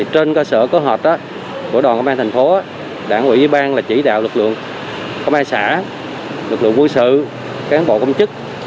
trên cơ sở có hợp của đoàn công an thành phố đảng ủy bang là chỉ đạo lực lượng công an xã lực lượng quân sự cán bộ công chức